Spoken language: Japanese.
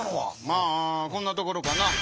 まあこんなところかな。